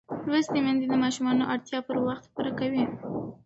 لوستې میندې د ماشوم اړتیاوې پر وخت پوره کوي.